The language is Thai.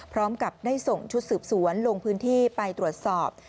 พร้อมกับได้ส่งชุดสืบสวนลงพื้นที่ไปตรวจสอบ